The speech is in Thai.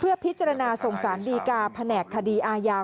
พิจารณาส่งสารดีกาแผนกคดีอาญา